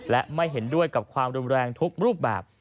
และไม่เห็นด้วยกับความรุนแรงทุกรูปแบบ